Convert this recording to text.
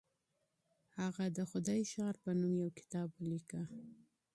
هغه د خدای ښار په نوم يو کتاب وليکه.